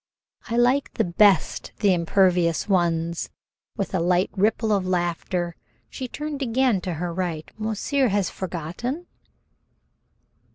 "I like best the impervious ones." With a light ripple of laughter she turned again to her right. "Monsieur has forgotten?"